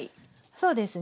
そうですね。